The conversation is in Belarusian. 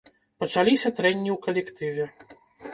Пачаліся трэнні ў калектыве.